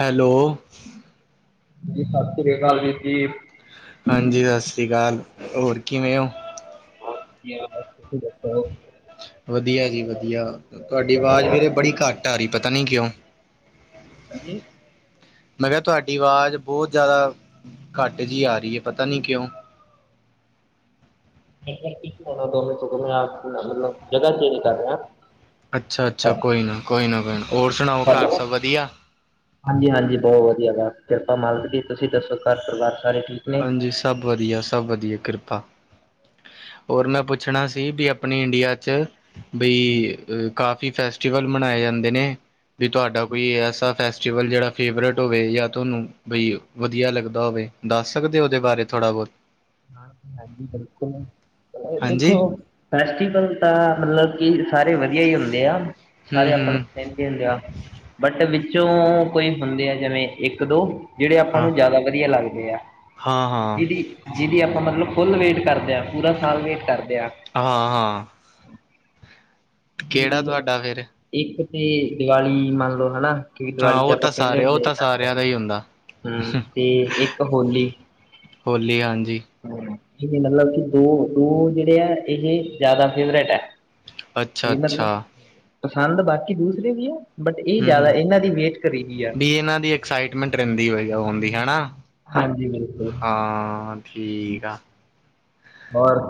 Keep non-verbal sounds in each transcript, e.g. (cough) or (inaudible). Hello ਜੀ ਸਾਸ ਸ੍ਰੀ ਅਕਾਲ ਵੀਰ ਜੀ। ਹਾਂਜੀ ਸਾਸ ਸ਼੍ਰੀ ਕਾਲ ਹੋਰ ਕਿਵੇਂ ਓ? ਬਹੁਤ ਵਧੀਆ, ਬਸ ਤੁਸੀਂ ਦੱਸ ਓ। ਵਧੀਆ ਜੀ ਵਧੀਆ, ਤੁਆਡੀ ਆਵਾਜ਼ ਵੀਰੇ ਬੜੀ ਕੱਟ ਆ ਰੀ ਪਤਾ ਨੀ ਕਿਉਂ? ਹਾਂਜੀ। ਮੈਂ ਕਿਹਾ ਤੁਹਾਡੀ ਆਵਾਜ਼ ਬਹੁਤ ਜ਼ਿਆਦਾ ਘੱਟ ਜਿਹੀ ਆ ਰਹੀ ਹੈ ਪਤਾ ਨਹੀਂ ਕਿਉਂ ਨਹੀਂ ਦੋਵੇਂ ਸੋਂ ਆਪ ਮਤਲਬ ਜਗਾ ਚੇਂਜ ਕਰ ਰਹੇ ਆ ਅੱਛਾ ਅੱਛਾ ਕੋਈ ਨਾ ਕੋਈ ਨਾ ਕੋਈ ਨਾ ਹੋਰ ਸੁਣਾਓ ਘਰ ਹੈਲੋ ਸਭ ਵਧੀਆ ਹਾਂਜੀ ਹਾਂਜੀ ਬਹੁਤ ਵਧੀਆ ਬਾੱਸ ਕਿਰਪਾ ਮਾਲਕ ਜੀ ਤੁਸੀਂ ਦੱਸੋ ਘਰ ਪਰਿਵਾਰ ਸਾਰੇ ਠੀਕ ਨੇ ਹਾਂਜੀ ਸਭ ਵਧੀਆ ਸਭ ਵਧੀਆ ਕਿਰਪਾ ਹੋਰ ਮੈਂ ਪੁੱਛਣਾ ਸੀ ਵੀ ਆਪਣੀ ਇੰਡੀਆ ਚ ਬਈ ਕਾਫ਼ੀ ਫੈਸਟੀਵਲ ਮਨਾਏ ਜਾਂਦੇ ਨੇ ਵੀ ਤੁਹਾਡਾ ਕੋਈ ਐਸਾ ਫੈਸਟੀਵਲ ਜਿਹੜਾ ਫੇਵਰੇਟ ਹੋਵੇ ਜਾਂ ਤੁਹਾਨੂੰ ਬਈ ਵਧੀਆ ਲੱਗਦਾ ਹੋਵੇ ਦੱਸ ਸਕਦੇ ਹੋ ਉਹਦੇ ਬਾਰੇ ਥੋੜ੍ਹਾ ਬਹੁਤ ਹਾਂ ਹਾਂਜੀ ਬਿਲਕੁਲ ਦੇਖੋ ਹਾਂਜੀ ਫੈਸਟੀਵਲ ਤਾਂ ਮਤਲਬ ਕਿ ਸਾਰੇ ਵਧੀਆ ਹੀ ਹੁੰਦੇ ਆ ਹੂੰ ਸਾਰੇ ਆਪਾ ਨੂੰ ਹੂੰ ਹੁੰ ਬਟ ਵਿੱਚੋਂ ਕੋਈ ਹੁੰਦੇ ਆ ਜਿਵੇਂ ਇੱਕ ਦੋ ਜਿਹੜੇ ਆਪਾਂ ਹਾਂ ਨੂੰ ਜ਼ਿਆਦਾ ਵਧੀਆ ਲੱਗਦੇ ਆ ਹਾਂ ਹਾਂ ਜਿਹਦੀ ਜਿਹਦੀ ਆਪਾਂ ਮਤਲਬ ਫੁੱਲ ਵੇਟ ਕਰਦੇ ਹਾਂ ਪੂਰਾ ਸਾਲ ਵੇਟ ਕਰਦੇ ਹਾਂ ਹਾਂ ਹਾਂ ਹਾਂ ਕਿਹੜਾ ਜਿਹਦੇ ਤੁਹਾਡਾ ਫਿਰ ਇੱਕ ਤੇ ਦੀਵਾਲੀ ਮੰਨ ਲਓ ਹਨਾ ਕਿ ਹਾਂ ਦਿਵਾਲੀ ਚ ਉਹ ਆਪਾਂ ਤਾਂ ਪਹਿਲੇ ਸਾਰੇ ਉਹ ਹਦੇ ਤਾਂ ਕਰਦੇ ਹਾਂ ਸਾਰਿਆਂ ਦਾ ਹੀ ਹੁੰਦਾ ਹੂੰਮ ਤੇ ਇੱਕ ਹੋਲੀ ਹੋਲੀ ਹਾਂਜੀ ਇਹ ਮਤਲਬ ਕਿ ਦੋ ਦੋ ਜਿਹੜੇ ਆ ਇਹ ਜ ਜ਼ਿਆਦਾ ਫੇਵਰੇਟ ਹੈ ਅੱਛਾ ਤੇ ਮਤਲਬ ਅੱਛਾ ਪਸੰਦ ਬਾਕੀ ਦੂਸਰੇ ਵੀ ਹੈ ਬਟ ਇਹ ਹੂੰ ਜ਼ਿਆਦਾ ਹੂੰ ਇਹਨਾਂ ਦੀ ਵੇਟ ਕਰੇਗੀ ਆ ਵੀ ਇਹਨਾਂ ਦੀ ਇੱਕ ਐਕਸਾਈਟਮੈਂਟ ਰਹਿੰਦੀ ਹੋਈ ਹੁੰਦੀ ਹੈ ਨਾ ਹਾਂਜੀ ਬਿਲਕੁਲ ਹਾਂ ਠੀਕ ਆ ਹੋਰ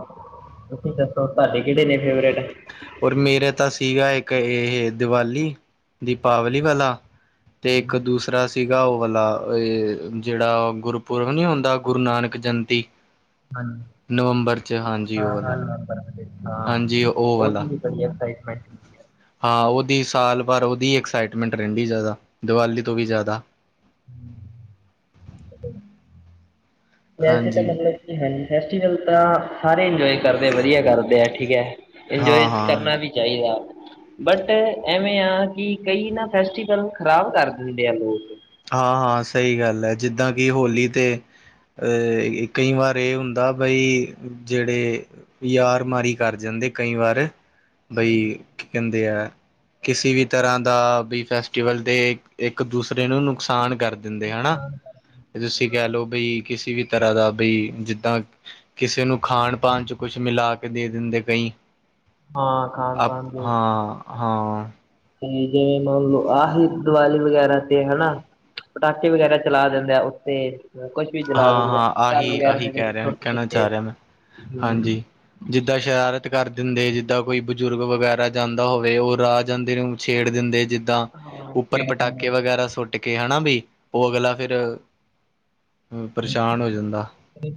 ਤੁਸੀਂ ਦੱਸੋ ਤੁਹਾਡੇ ਕਿਹੜੇ ਨੇ ਫੇਵਰੇਟ ਔਰ ਮੇਰੇ ਤਾਂ ਸੀਗਾ ਇੱਕ ਇਹ ਦੀਵਾਲੀ ਦੀਪਾਵਲੀ ਵਾਲਾ ਤੇ ਇੱਕ ਦੂਸਰਾ ਸੀਗਾ ਉਹ ਵਾਲਾ ਇਹ ਜਿਹੜਾ ਗੁਰਪੁਰਬ ਨੀ ਹੁੰਦਾ ਗੁਰੂ ਨਾਨਕ ਜਯੰਤੀ ਹਾਂਜੀ ਨਵੰਬਰ ਚ ਹਾਂਜੀ ਉਹ ਹਾਂ ਵਾਲਾ ਹਾਂ ਨੰਬਰ ਹਾਂਜੀ ਉਹ ਵਾਲਾ ਬੜੀਆਂ ਐਕਸਾਈਟਮੈਂਟ ਹੈ ਹਾਂ, ਉਹਦੀ ਸਾਲ ਭਰ ਉਹਦੀ ਐਕਸਾਈਟਮੈਂਟ ਰਹਿੰਦੀ ਜ਼ਿਆਦਾ, ਦੀਵਾਲੀ ਤੋਂ ਵੀ ਜ਼ਿਆਦਾ। (unintelligible) ਵੈਸੇ ਤਾਂ ਹਾਂਜੀ ਮਤਲਬ ਕਿ ਹਾਂਜੀ, ਫੈਸਟੀਵਲ ਤਾਂ ਸਾਰੇ ਇੰਜੋਏ ਕਰਦੇ, ਵਧੀਆ ਕਰਦੇ ਆ ਠੀਕ ਐ। ਇੰਜੋਏ ਹਾਂ ਹਾਂ ਕਰਨਾ ਵੀ ਚਾਹੀਦਾ। ਬਟ ਐਵੇਂ ਆ, ਕਿ ਕਈ ਨਾ ਫੈਸਟੀਵਲ ਖ਼ਰਾਬ ਕਰ ਦਿੰਦੇ ਆ ਲੋਕ। ਹਾਂ-ਹਾਂ, ਸਹੀ ਗੱਲ ਐ, ਜਿੱਦਾਂ ਕਿ ਹੋਲੀ ਤੇ ਅਹ, ਕਈ ਵਾਰ ਇਹ ਹੁੰਦਾ ਬਈ, ਜਿਹੜੇ ਯਾਰਮਾਰੀ ਕਰ ਜਾਂਦੇ ਕਈ ਵਾਰ, ਬਈ ਹਾਂਜੀ ਕੀ ਕਹਿੰਦੇ ਆ, ਕਿਸੇ ਵੀ ਤਰ੍ਹਾਂ ਦਾ ਵੀ ਫੈਸਟੀਵਲ ਤੇ ਇੱਕ-ਦੂਸਰੇ ਨੂੰ ਨੁਕਸਾਨ ਕਰ ਦਿੰਦੇ, ਹਣਾ। ਖਾਣ ਤੁਸੀਂ ਕਹਿਲੋ ਬਿਲਕੁਲ। ਬਈ, ਕਿਸੇ ਵੀ ਤਰ੍ਹਾਂ ਦਾ ਬਈ, ਜਿੱਦਾਂ ਕਿਸੇ ਨੂੰ ਖਾਣ-ਪਾਣ'ਚ ਕੁਛ ਮਿਲਾਕੇ ਦੇ ਦਿੰਦੇ ਕਈਂ। ਹਾਂ ਖਾਣ ਆਪ, ਪਾਣ ਦੇ ਹਾਂ, ਹਾਂ। ਤੇ ਜਿਵੇਂ ਮੰਨਲੋ, ਆਹੀ ਦੀਵਾਲੀ ਵਗੈਰਾ ਤੇ ਹਨਾ। ਪਟਾਕੇੇ ਵਗੈਰਾ ਚਲਾ ਦੇਂਦਾ, ਉੱਤੇ। ਕੋਸ਼ ਵੀ ਚਲਾ ਹਾਂ ਦਿੰਦੇ ਆ ਹਾਂ (unintelligible) ਘਰ ਆਹੀ ਵਗੈਰਾ ਆਹੀ ਦੇ ਵਿੱਚ ਕਹਿ ਰਿਹਾ ਸੁੱਟ ਕਹਿਣਾ ਦਿੰਦੇ ਆ ਹੂੰ ਜਿੱਦਾ ਸ਼ਰਾਰਤ ਕਰ ਦਿੰਦੇ, ਜਿੱਦਾਂ ਕੋਈ ਬਜੁਰਗ ਵਗੈਰਾ ਜਾਂਦਾ ਹੋਵੇ, ਓ ਰਾਅ ਜਾਂਦੇ ਨੂੰ ਛੇੜ ਦਿੰਦੇ ਜਿੱਦ ਦਾਂ ਹਮ ਹਾਂ ਉੱਪਰ ਖੇਡ ਦਿੰਦੇ ਪਟਾਕੇ ਆ ਵਗੈਰਾ ਸੁੱਟਕੇ ਹਨਾ ਬੀ, ਓ ਅਗਲਾ ਫਿਰ ਹੂੰ, ਪਰਸ਼ਾਨ ਹੋ ਜਾਂਦਾ।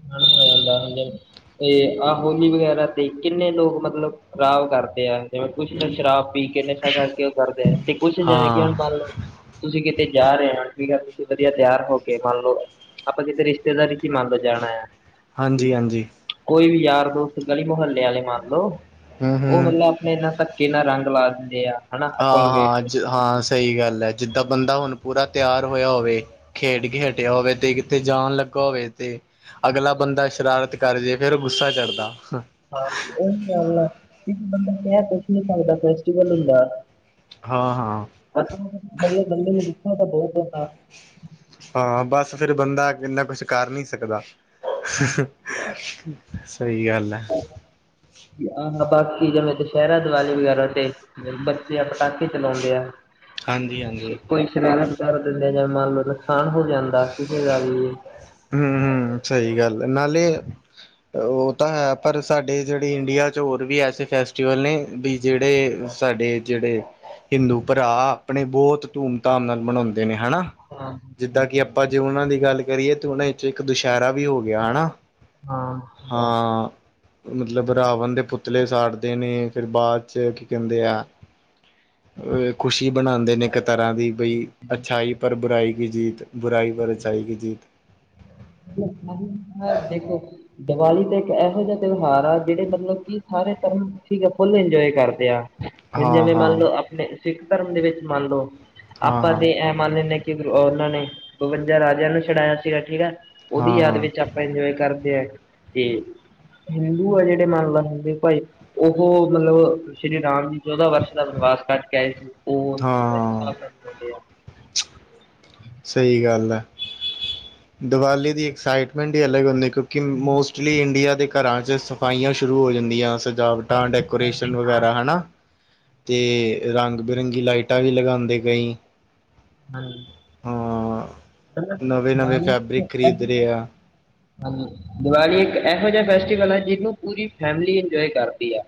ਖਾਣਾ ਹੋ ਜਾਂਦਾ (unintelligible) ਤੇ, ਆ ਹੋਲੀ ਵਗੈਰਾ ਤੇ ਕਿੰਨੇ ਲੋਕ ਮਤਲਬ ਖਰਾਬ ਕਰ ਤੇ ਆ, ਜਿਵੇਂ ਕੁਛ ਤੇ ਸ਼ਰਾਬ ਪੀਕੇ ਨਸ਼ਾ ਕਰਕੇ ਓ ਕਰਦੇ ਤੇ ਕੁਛ ਜੈਂਵੇ ਕਿ ਹੁਣ ਹਾਂ ਮੰਨ ਲੋ ਤੁਸੀ ਕਿਤੇ ਜਾ ਰੇ ਓ ਠੀਕ ਐ ਤੁਸੀ ਵਧੀਆ ਤਿਆਰ ਹੋਕੇ ਮੰਨ ਲੋ ਆਪਾਂ ਕਿਤੇ ਰਿਸ਼ਤੇਦਾਰੀ ਚੀ ਮੰਨਲੋ ਜਾਣਾ ਐ। ਹਾਂਜੀ-ਹਾਂਜੀ। ਕੋਈ ਵੀ ਯਾਰ-ਦੋਸਤ, ਗਲੀ-ਮੁਹੱਲੇ ਆਲੇ ਮੰਨਲੋ, ਹੂੰ ਓ ਹੂੰ ਮਲਬ ਏਨਾ ਧੱਕੇ ਨਾਲ ਰੰਗ ਲਾ ਦਿੰਦੇ ਆ। ਹਨਾ ਆ, ਆਪਾਂ ਨੂੰ ਵੇਟ ਹਾਂ ਜ ਦਿੰਦੇ ਆ ਹਾਂ, ਸਈ ਗੱਲ ਐ, ਜਿੱਦਾਂ ਬੰਦਾ ਹੁਣ ਪੂਰਾ ਤਿਆਰ ਹੋਇਆ ਹੋਵੇ ਖੇਡਕੇ ਹਟਿੱਆ ਹੋਵੇ, ਤੇ ਕਿਤੇ ਜਾਨ ਲੱਗਾ ਹੋਵੇ ਤੇ ਅਗਲਾ ਬੰਦਾ ਸ਼ਰਾਰਤ ਕਰਜੇ ਫੇਰ ਗੁੱਸਾ ਚੜਦਾ। ਹੰ ਹਾਂ, ਓਹੀ ਗੱਲ ਐ ਇੱਕ ਬੰਦੇ ਨੇ ਕੇਆ ਫੈਸਟੀਵਲ ਦਾ ਮਤਲਬ ਫੈਸਟੀਵਲ ਹੁੰਦਾ‌ ਐ। ਹਾਂ-ਹਾਂ। ਅਗਲੇ ਬੰਦੇ ਨੂੰ ਗੁੱਸਾ ਤਾ ਬੌਤ ਆਂਦਾ। ਹਾਂ, ਬਸ ਫੇਰ ਬੰਦਾ ਇੰਨਾ ਕੁਛ ਕਰ ਨੀ ਸਕਦਾ। ਸਈ ਗੱਲ ਐ। ਆਹੋ, ਬਾਕੀ ਜਿਂਵੇਂ ਦੂਸ਼ੈਰਾ, ਦੀਵਾਲੀ ਵਗੈਰਾ ਤੇ। ਬੱਚੇ ਆ ਪਟਾਕੇ ਚਲੌਂਦੇ ਆ, ਹਾਂਜੀ ਹਾਂਜੀ ਕੋਈ ਚਲਾਨਾ ਤੇ ਸਾਰੇ ਦਿਨ ਦਾ ਜੇਂਵੇ ਮੰਨਲੋ, ਨੁਕਸਾਨ ਹੋ ਜਾਂਦਾ ਕਿਸੇ ਦਾ ਵੀ ਹੂੰ, ਹੂੰ, ਸਈ ਗੱਲ ਐ, ਨਾਲੇ ਓ ਤਾਂ ਹੈ ਪਰ ਸਾਡੇ ਜੇੜੇ ਇੰਡੀਆ'ਚ ਹੋਰ ਵੀ ਐਸੇ ਫੈਸਟੀਵਲ ਨੇ, ਵੀ ਜੇੜੇ ਸਾਡੇ ਜੇੜੇ ਹਿੰਦੂ ਭਰਾ ਆਪਣੇ ਬੌਤ ਧੂੰਮ-ਧਾੰਮ ਨਾਲ ਮਨਾਉਂਦੇ ਨੇ, ਹਣਾ? ਹਾਂ। ਜੇ ਓਨਾਂ ਦੀ ਗੱਲ ਕਰੀਏ, ਤੇ ਉਨਾਂ ਵਿੱਚ ਇੱਕ ਦੁਸ਼ੈਰਾ ਵੀ ਹੋਗਿਆ, ਹਣਾ। ਹਾਂ। ਮਤਲਬ ਰਾਵਨ ਦੇ ਪੁਤਲੇ ਸਾੜਦੇ ਨੇ, ਫਿਰ ਬਾਅਦ'ਚ ਕੀ ਕੈਂਦੇ ਆ ਓਏ ਖੁਸ਼ੀ ਬਣਾਂਦੇ ਨੇ, ਇੱਕ ਤਰ੍ਹਾਂ ਦੀ ਬਈ, ਅੱਛਾਈ ਪਰ ਬੁਰਾਈ ਕੀ ਜੀਤ। ਬੁਰਾਈ ਪਰ ਅੱਛਾਈ ਕੀ ਜੀਤ। ਮਤਲਬ ਬਹੁ (unintelligible) ਦੇਖੋ ਦਵਾਲੀ ਤੇ ਇੱਕ ਇਹੋ ਜਿਆ ਤਿਉਹਾਰ ਆ, ਜੇੜੇ ਮਤਲਬ ਕਿ ਸਾਰੇ ਧਰਮ ਠੀਕ ਐ, ਫੁੱਲ ਇੰਜੋਏ ਕਰਦੇ ਆ। ਹੁਨ ਹਾਂ ਜਿਵੇਂ ਹਾਂ ਮੰਨਲੋ, ਆਪਣੇ ਸਿੱਖ ਧਰਮ ਦੇ ਵਿੱਚ ਮੰਨਲੋ, ਹਾਂ ਆਪਾ ਹਾਂ ਦੇ ਐ ਮੰਨ ਲੈਨੇ ਆ ਕਿ ਓ ਓਨਾਂ ਨੇ ਬਵੰਜਾ ਰਾਜਿਆਂ ਨੂੰ ਛੁਡਾਇਆ ਸੀਗਾ ਠੀਕ ਐ। ਓਦੀ ਹਾਂ ਯਾਦ ਹਾਂ ਵਿੱਚ ਆਪਾਂ ਇੰਜੋਏ ਕਰਦੇ ਐ ਤੇ ਹਿੰਦੂ ਆ ਜੇੜੇ ਮੰਨ ਲੋ ਹੁੰਦੇ ਭਾਈ ਓਹੋ ਮਤਲਬ ਸ਼੍ਰੀ ਰਾਮ ਜੀ ਚੌਦਾਂ ਵਰਸ਼ ਦਾ ਬਨਵਾਸ ਕੱਟ ਕੇ ਆਏ ਸੀ। ਉਹ ਹਾਂ (unintelligible) ਸਈ ਗੱਲ ਐ। ਦੀਵਾਲੀ ਦੀ ਐਕਸਾਈਟਮੈਂਟ ਈ ਅਲੱਗ ਹੁੰਦੀ ਕਿਉਂਕਿ ਮੋਸਟਲੀ ਇੰਡੀਆ ਦੇ ਘਰਾਂ 'ਚ ਸਫਾਈਆਂ ਸ਼ੁਰੂ ਹੋ ਜਾਂਦੀਆਂ ਸਜਾਵਟਾਂ, ਡੈਕੋਰੇਸ਼ਨ ਵਗੈਰਾ ਹਨਾ। ਤੇ ਰੰਗ ਬਿਰੰਗੀ ਲਾਈਟਾਂ ਵੀ ਲਗਾਂਦੇ ਕਈ (unintelligible) ਬਰਿਕ ਖਰੀਦ ਰੇਆ। ਹਾਂਜੀ। ਦੀਵਾਲੀ ਇੱਕ ਐਹੋ ਜਾ ਫੈਸਟੀਵਲ ਐ ਜਿਨੂੰ ਪੂਰੀ ਫੈਮਲੀ ਇੰਜੋਏ ਕਰਦੀ ਐ।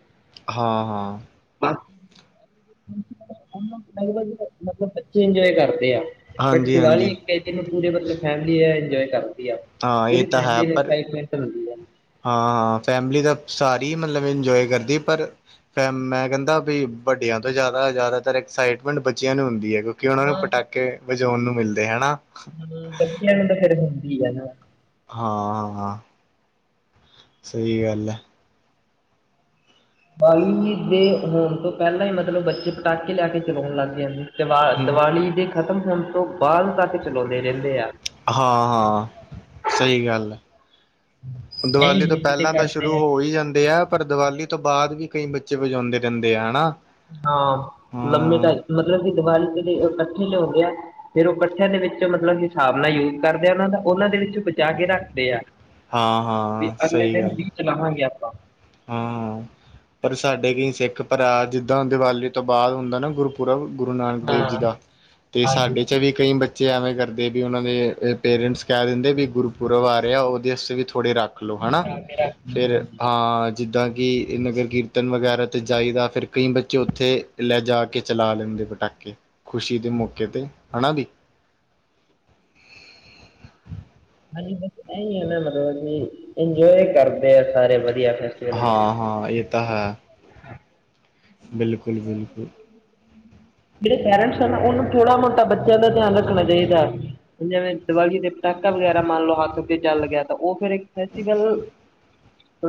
ਹਾਂ ਹਾਂ। ਮਤਲਬ ਬੱਚੇ ਇੰਜੋਏ ਕਰਦੇ ਆ ਬਟ ਹਾਂਜੀ ਦੀਵਾਲੀ ਹਾਂਜੀ ਕਈ ਦਿਨ ਪੂਰੇ ਮਤਲਬ ਫੈਮਿਲੀ ਇੰਜੋਏ ਕਰਦੀ ਆ ਹਾਂ ਇਹ ਪੂਰੀ ਤਾਂ ਹੈ ਫੈਮਿਲੀ ਪਰ ਐਕਸਾਈਟਮੈਂਟ ਹੁੰਦੀ ਐ। ਹਾਂ ਫੈਮਿਲੀ ਤਾ ਸਾਰੀ ਮਤਲਬ ਇੰਜੋਏ ਕਰਦੀ ਪਰ ਫ ਮੈਂ ਕੈਂਦਾ ਬੀ ਵੱਡੇਆਂ ਤੋਂ ਜਾਦਾ ਜਾਦਾਤਰ ਐਕਸਾਈਟਮੈਂਟ ਬੱਚੇਆਂ ਨੂੰ ਹੁੰਦੀ ਐ ਕਿਉਂ ਕਿ ਓਨਾ ਨੂੰ ਹਾਂ ਪਟਾਕੇ ਵਜਉਣ ਨੂੰ ਮਿਲਦੇ ਹੈਨਾ। ਬੱਚੇਆਂ ਨੂੰ ਤੇ ਫੇਰ ਹੁੰਦੀ ਐ ਨਾ। ਹਾਂ ਹਾਂ। ਸਈ ਗੱਲ ਐ। ਦੀਵਾਲੀ ਦੇ ਹੋਣ ਤੋਂ ਪੈਲਾਂ ਈ ਮਤਲਬ ਬੱਚੇ ਪਟਾਕੇ ਲੇਆ ਕੇ ਚਲਾਉਣ ਲੱਗ ਜਾਂਦੇ। ਦੀਵਾ ਹਮ ਦੀਵਾਲੀ ਦੇ ਖ਼ਤਮ ਹੋਣ ਤੋਂ ਬਾਦ ਤੱਕ ਚਲਾਉਂਦੇ ਰੇਂਦੇ ਆ। ਹਾਂ ਹਾਂ, ਸਈ ਗੱਲ ਐ। ਐਂ ਦੀਵਾਲੀ ਤੋਂ ਹੋਲੀ ਤੇ ਪੇਲਾਂ ਤਾਂ ਕਰਦੇ ਸ਼ੁਰੂ ਆ ਹੋ ਈ ਜਾਂਦੇ ਐ ਪਰ ਦੀਵਾਲੀ ਤੋਂ ਬਾਦ ਵੀ ਕਈ ਬੱਚੇ ਵਜਾਉਂਦੇ ਰੇਂਦੇ ਆ ਹੈਨਾ। ਹਾਂ, ਲੰਮੇ ਟਾਈ ਮਤਲਬ ਕਿ ਦੀਵਾਲੀ ਦੇ ਲਈ ਕੱਠੇ ਲਿਆਉਂਦੇ ਆ। ਫਿਰ ਓ ਕੱਠਿਆਂ ਦੇ ਵਿੱਚ ਮਤਲਬ ਕਿ ਹਿਸਾਬ ਨਾਲ ਯੂਜ ਕਰਦੇ ਆ ਓਨਾਂ ਦਾ। ਓਨਾਂ ਦੇ ਵਿੱਚ ਬਚਾ ਕੇ ਰੱਖਦੇ ਆ। ਹਾਂ ਵੀ ਹਾਂ ਅਗਲੇ ਸਹੀ ਦਿਨ ਗੱਲ ਵੀ ਚਲਾਵਾਂਗੇ ਆਪਾਂ ਹਾਂ, ਪਰ ਸਾਡੇ ਕਈ ਸਿੱਖ ਭਰਾ ਜਿੱਦਾਂ ਦੀਵਾਲੀ ਤੋਂ ਬਾਦ ਹੁੰਦਾ ਨਾ ਗੁਰ ਪੂਰਵ ਗੁਰੂ ਨਾਨਕ ਦੇਵ ਜੀ ਹਾਂ ਦਾ ਤੇ ਹਾਂਜੀ ਸਾਡੇ ਚ ਵੀ ਕਈ ਬੱਚੇ ਬੱਚੇ ਐਵੇਂ ਕਰਦੇ ਵੀ ਓਨਾਂ ਦੇ ਪੇਰੈਂਟਸ ਕੈ ਦਿੰਦੇ ਵੀ ਗੁਰਪੁਰਬ ਆ ਰੇਆ ਔਦੇ ਆਸਤੇ ਵੀ ਥੋੜੇ ਰੱਖ ਲੋ ਹਨਾ। ਰੱਖਦੇ ਫਿਰ ਹਾਂਜੀ ਆਂ ਜਿੱਦਾਂ ਕਿ ਨਗਰ ਕੀਰਤਨ ਵਗੈਰਾ ਤੇ ਜਾਈਦਾ ਫਿਰ ਕਈ ਬੱਚੇ ਓਥੇ ਲੈ ਜਾ ਕੇ ਚਲਾ ਲੈਂਦੇ ਪਟਾਕੇ। ਖੁਸ਼ੀ ਦੇ ਮੌਕੇ ਤੇ ਹਨਾ ਬੀ ਹਾਂਜੀ, ਬਸ ਐਈ ਆ ਨਾ ਮਤਲਬ ਕਿ ਇੰਜੋਏ ਕਰਦੇ ਆ ਸਾਰੇ ਵਧੀਆ ਫੇਰ। ਹਾਂ ਹਾਂ ਏ ਤਾਂ ਹੈ। ਬਿਲਕੁਲ ਬਿਲਕੁਲ। ਜੇੜੇ ਪੇਰੈਂਟਸ ਆ ਨਾ ਓਨੂੰ ਥੋੜਾ ਮੋਟਾ ਬੱਚੇਆਂ ਦਾ ਧੇਆਨ ਰੱਖਣਾ ਚਾਈਦੈ। ਜਿਵੇਂ ਦੀਵਾਲੀ ਦੇ ਪਟਾਕਾ ਵਗੈਰਾ ਮੰਨ ਲਓ ਹੱਥ ਉੱਤੇ ਚੱਲ ਗਿਆ ਤਾਂ ਓ ਫੇਰ ਫੈਸਟੀਵਲ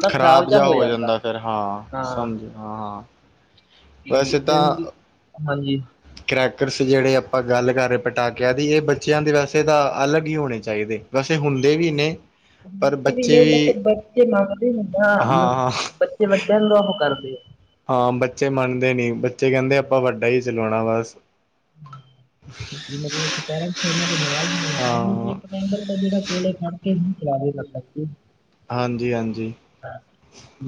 ਖ਼ਰਾਬ ਜਾ ਹੋ ਜਾਂਦਾ ਫੇਰ ਹਾਂ। ਸਮਝ ਹਾਂ। ਕੀ ਵੈਸੇ ਤਾਂ ਜੈਵੇਂ ਕਿ, ਹਾਂਜੀ। ਕਰੈਕਰਸ ਜੇੜੇ ਆਪਾਂ ਗੱਲ ਕਰ ਰੇ ਪਟਾਕੇਆਂ ਦੀ ਏ ਬੱਚੇਆਂ ਦੇ ਵੈਸੇ ਤਾਂ ਅਲੱਗ ਈ ਹੋਣੇ ਚਾਈਦੇ। ਵੈਸੇ ਹੁੰਦੇ ਵੀ ਨੇ। ਪਰ ਨੀ ਬੱਚੇ ਵੈਸੇ ਵੀ ਬੱਚੇ ਮੰਗਦੇ ਨੇ ਬਾ। ਹਾਂ ਹਾਂ ਬੱਚੇ ਵੱਡੇਆਂ ਨੂੰ ਓ ਕਰਦੇ ਆ। ਹਾਂ ਬੱਚੇ ਮੰਨਦੇ ਨੀ ਬੱਚੇ ਕੈਂਦੇ ਆਪਾਂ ਵੱਡਾ ਈ ਚਲਾਓਣਾ ਬਸ ਵੀ ਮਤਲਬ ਕਿ ਪੇਰੈਂਟਸ ਓਨਾਂ ਦੇ ਨਾਲ ਹੋਣ ਤਾਂ ਵੀ ਹਾਂ ਜੇੜਾ ਕੋਲੇ ਖੜ ਕੇ ਹੀ ਚਲਾਵੇ ਪਟਾਕੇ। ਹਾਂਜੀ ਹਾਂਜੀ।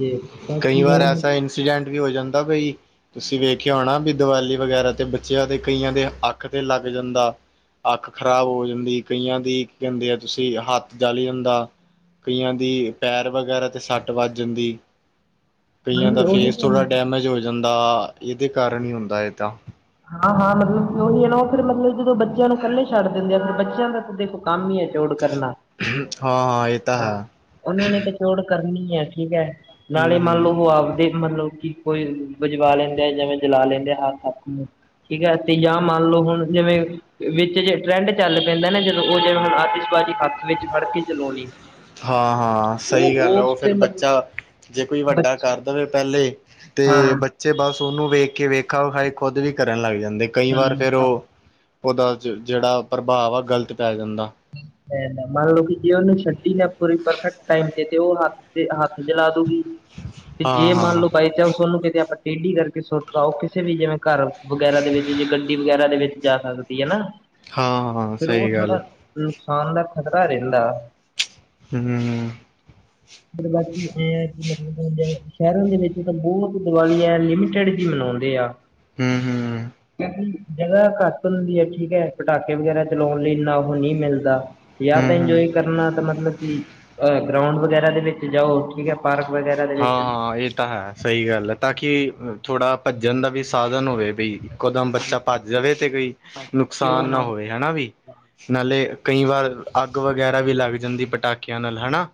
ਜੇ ਬਾਕੀ ਸੀਡੈਂਟ ਵੀ ਹੋ ਜਾਂਦਾ ਬਈ। ਤੁਸੀ ਵੇਖੇਆ ਹੋਣਾ ਬੀ ਦੀਵਾਲੀ ਵਗੈਰਾ ਤੇ ਬੱਚੇਆਂ ਦੇ ਕਈਆਂ ਦੇ ਅੱਖ ਤੇ ਲੱਗ ਜਾਂਦਾ। ਅੱਖ ਖਰਾਬ ਹੋ ਜਾਂਦੀ ਕਈਆਂ ਦੀ। ਕਿ ਕੈਂਦੇ ਆ ਤੁਸੀ ਹੱਥ ਜਲ ਜਾਂਦਾ। ਕਈਆਂ ਦੀ ਪੈਰ ਵਗੈਰਾ ਤੇ ਸੱਟ ਵੱਜ ਜਾਂਦੀ। ਕਈਆਂ ਹਾਂਜੀ ਦਾ ਉਹ ਵੀ ਫੇਸ ਤਾਂ ਥੋੜ੍ਹਾ ਹੈ। ਡੈਮੇਜ ਹੋ ਜਾਂਦਾ, ਏਦੇ ਕਾਰਨ ਹੀ ਹੁੰਦਾ ਏਦਾ। ਹਾਂ -ਹਾਂ ਮਤਲਬ ਓਹੀ ਹੈ ਨਾ ਓ ਫਿਰ ਮਤਲਬ ਜਦੋਂ ਬੱਚੇਆਂ ਨੂੰ ਕੱਲੇ ਛੱਡ ਦਿੰਦੇ ਆ ਫਿਰ ਬੱਚੇਆਂ ਦਾ ਭਵਿੱਖ ਕੰਮ ਈ ਆ ਫੋਰਡ ਕਰਨਾ ਹਾਂ ਏ ਤਾ ਹੈ। ਫੋਰਡ ਕਰਨੀ ਹੈ ਠੀਕ ਐ, ਨਾਲੇ ਮੰਨ ਹੂੰ-ਹੂੰ ਲਓ ਓ ਆਪਦੇ ਮਤਲਬ ਕੀ ਕੋਈ ਵਜਵਾ ਲੈਂਦੇ ਆ ਜਿਵੇਂ ਜਲਾ ਲੈਂਦੇ ਆ ਹੱਥ- ਹੱਥ ਨੂੰ। ਠੀਕ ਆ, ਤੇ ਜਾਂ ਮੰਨ ਲਓ ਹੁਣ ਜਿਵੇਂ ਵਿੱਚ ਜੇਏ ਟਰੈਂਡ ਚੱਲ ਪੈਂਦਾ ਨਾ ਜਦੋਂ, ਓ ਜੇੜਾ ਹੁਣ ਆਤਿਸ਼ਬਾਜ਼ੀ ਹੱਥ ਵਿੱਚ ਫੜ ਕੇ ਚਲੋਣੀ। ਹਾਂ ਹਾਂ ਸਈ ਗੱਲ ਆ, ਓ ਫਿਰ ਮਤਲਬ ਬੱਚਾ ਜੇ ਕੋਈ ਵੱਡਾ ਬੱਚ ਕਰ ਦੇਵੇ ਪੇਲੇ ਤੇ ਹਾਂ ਬੱਚੇ ਬੱਚੇ ਬਸ ਓਨੂੰ ਵੇਖ ਕੇ ਵੇਖਾ ਵਖਾਈ ਖੁਦ ਵੀ ਕਰਨ ਲੱਗ ਜਾਂਦੇ, ਕਈ ਵਾਰ ਫੇਰ ਓ ਹੂੰ ਓਦਾ ਜੇੜਾ ਪ੍ਰਭਾਵ ਆ ਗ਼ਲਤ ਪੈ ਜਾਂਦਾ। ਮੰਨ ਲਓ ਕਿ ਜੇ ਓਨੂੰ ਛੱਡੀ ਨਾ ਪੂਰੀ ਪਰਫੈਕਟ ਟਾਈਮ ਤੇ ਓ ਹੱਥ ਤੇ ਹੱਥ ਜਲਾ ਦੂਗੀ ਜੀ, ਤੇ ਜੇ ਮੰਨ ਹਾਂ-ਹਾਂ, ਲੋ ਬਾਈਚਾਂਸ ਓਨੂੰ ਕਿਤੇ ਟੇਢੀ ਕਰਕੇ ਸੁਟਤਾ, ਓ ਕਿਸੇ ਵੀ ਜਿਵੇਂ ਘਰ ਵਗੈਰਾ ਦੇ ਵਿੱਚ ਜੇ ਗੱਡੀ ਵਗੈਰਾ ਦੇ ਵਿੱਚ ਜਾ ਸਕ ਠੀਕ ਐ ਨਾ, ਹਾਂ-ਹਾਂ ਫਿਰ ਓ ਸਹੀ ਗੱਲ ਥੋੜਾ ਨੁਕਸਾਨ ਦਾ ਖਤਰਾ ਰੇਂਦਾ। ਹੂੰ, ਮਤਲਬ ਬਾਕੀ ਏ ਕੀ ਮਤਲਬ ਸ਼ੈਰਾਂ ਦੇ ਵਿੱਚ ਤਾਂ ਬੋਤ ਦੀਵਾਲੀ ਆ ਲਿਮਟਡ ਜੇਈ ਮਨਾਓਂਦੇ ਆ। ਹੂ ਹੂ ਕਿਓਕੀ ਜਗ੍ਹਾ ਘੱਟ ਹੁੰਦੀ ਐ ਠੀਕ ਐ ਪਟਾਕੇ ਵਗੈਰਾ ਚਲੋਣ ਲਈ ਏਨਾ ਓ ਨਈ ਮਿਲਦਾ। ਜਾਂ ਤਾਂ ਹੂੰ, ਹੂੰ। ਇੰਜੋਏ ਕਰਨਾ ਤਾਂ ਮਤਲਬ ਕਿ ਅ ਗਰਾਉਂਡ ਵਗੈਰਾ ਦੇ ਵਿੱਚ ਜਾਓ ਠੀਕ ਐ। ਪਾਰਕ ਵਗੈਰਾ ਦੇ ਵਿੱਚ। ਹਾਂ ਏ ਤਾਂ ਹੈ। ਸਈ ਗੱਲ ਆ, ਤਾਂ ਕਿ ਥੋੜ੍ਹਾ ਭੱਜਣ ਦਾ ਵੀ ਸਾਧਨ ਹੋਵੇ ਬਈ। ਇਕੋ ਦਮ ਹਾਂਜੀ ਬੱਚਾ ਭੱਜ ਜਾਵੇ ਤੇ ਕੋਈ ਹਾਂਜੀ ਜੇ ਨੁਕਸਾਨ ਉਹ ਨਾ ਹੋਵੇ ਹਨਾ ਵੀ? ਨਾਲੇ ਕਈ ਵਾਰ ਅੱਗ ਵਗੈਰਾ ਵੀ ਲੱਗ ਜਾਂਦੀ ਪਟਾਕੇਆ ਨਾਲ ਹਨਾ?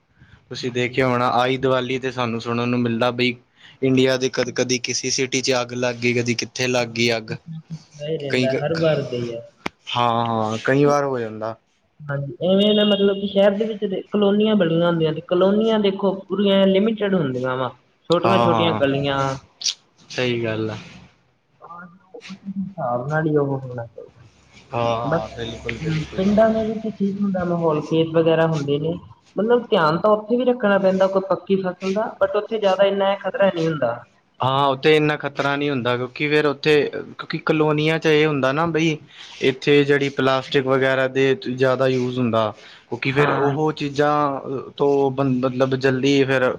ਤੁਸੀਂ ਹਾਂਜੀ ਦੇਖੀਓ ਹੁਣ ਆਈ ਦਵਾਲੀ। ਤੇ ਸਾਨੂੰ ਸੁਣਨ ਨੂੰ ਮਿਲਦਾ ਬਈ, ਇੰਡੀਆ ਦੇ ਕ ਕਦੀ ਕਿਸੇ ਸਿਟੀ ਚ ਅੱਗ ਲੱਗ ਗਈ ਕਦੀ ਕਿਤੇ ਲੱਗ ਗਈ ਅੱਗ, ਨਹੀਂ ਕਈ ਰਹਿੰਦਾ ਹਰ ਖਖਾ ਘਰ ਦੇ ਹੀ ਹੈ ਹਾਂ -ਹਾ ਕਈ ਵਾਰ ਹੋ ਜਾਂਦਾ। ਹਾਂਜੀ, ਇਵੇਂ ਦਾ ਮਤਲਬ ਕਿ ਸ਼ੈਰ ਦੇ ਵਿੱਚ ਕਲੋਨੀਆਂ ਬੜੀਆ ਹੁੰਦੀਆਂ ਨੇ, ਕਲੋਨੀਆਂ ਦੇਖੋ। ਪੂਰੀਆਂ ਲਿਮਿਟਡ ਹੁੰਦੀਆਂ ਵਾ, ਛੋਟੀਆਂ-ਛੋਟੀਆਂ ਹਾਂ-ਹਾਂ ਗਲੀਆਂ। ਸਹੀ ਗੱਲ ਆ ਹਿਸਾਬ ਨਾਲ ਈ ਓ ਹੋਣਾ ਚਾਈਦਾ। ਬ ਹਾਂ-ਹਾਂ ਬਿਲਕੁਲ-ਬਿਲਕੁਲ ਪਿੰਡਾਂ ਦੇ ਜਿਥੇ ਠੀਕ ਹੁੰਦਾ ਮਾਹੌਲ ਖੇਤ ਵਗੈਰਾ ਹੁੰਦੇ ਨੇ, ਮਤਲਬ ਧਿਆਨ ਤਾਂ ਓਥੇ ਵੀ ਰੱਖਣਾ ਪੈਂਦਾ ਕ ਕੀ ਫਸਲ ਦਾ, ਬਟ ਓਥੇ ਜ਼ਾਦਾ ਏਨਾ ਏ ਖ਼ਤਰਾ ਨਈ ਹੁੰਦਾ। ਹਾਂ ਓਥੇ ਏਨਾ ਖਤਰਾ ਨੀ ਹੁੰਦਾ, ਕਿਉਂਕਿ ਫੇਰ ਓਥੇ ਕਿਉਂਕਿ ਕਲੋਨੀਆਂ ਚ ਏ ਹੁੰਦਾ ਨਾ ਬਈ ਇੱਥੇ ਜੇੜੀ ਪਲਾਸਟਿਕ ਵਗੈਰਾ ਦੇ ਜ਼ਾਦਾ ਯੂਜ ਹੁੰਦਾ। ਕਿਉਂਕਿ ਫੇਰ ਹਾਂ ਉਹ ਚੀਜ਼ਾਂ ਤੋਂ ਬ ਮਤਲਬ ਜਲਦੀ ਫੇਰ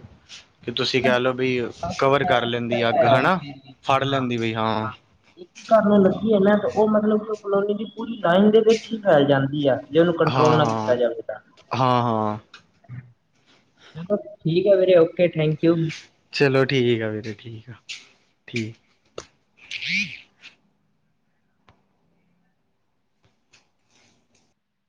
ਕਿ ਤੁਸੀਂ ਕੈ ਲਓ ਵੀ ਹਾਂ ਕਵਰ ਕਰ ਲੈਂਦੀ ਅੱਗ ਹਨਾ, ਫੜ ਲੈਂਦੀ ਵੀ ਹਾਂ ਇੱਕ ਘਰ ਨੂੰ ਲੱਗੀ ਹੈਨਾ ਤੇ ਓ ਮਤਲਬ ਕੇ ਕਲੋਨੀ ਚ ਪੂਰੀ ਲਾਈਨ ਦੇ ਵਿੱਚ ਹੀ ਫੈਲ ਜਾਂਦੀ ਆ, ਜੇ ਓਨੂੰ ਹਾਂ ਕੰਟਰੋਲ ਨਾ ਕੀਤਾ ਹਾਂ ਜਾਵੇ ਤਾਂ ਹਾਂ -ਹਾਂ। ਹ ਠੀਕ ਏ ਵੀਰੇ, ਓਕੇ ਥੈਂਕ ਯੂ। ਚਲੋ ਠੀਕ ਆ, ਵੀਰੇ ਠੀਕ ਆ, ਠੀਕ।